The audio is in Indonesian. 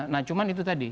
nah cuman itu tadi